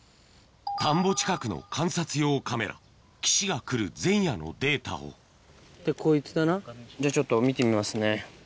田んぼ近くの観察用カメラ岸が来る前夜のデータをこいつだなじゃあちょっと見てみますね。